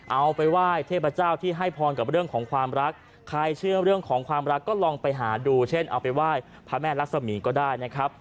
เอาไปไหว้เทพเจ้าที่ให้พรกับเรื่องของความรักใครเชื่อเรื่องของความรักก็ลองไปหาดูเช่นเอาไปไหว้พระแม่รักษมีก็ได้นะครับ